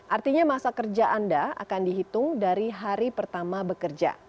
artinya masa kerja anda akan dihitung dari hari pertama bekerja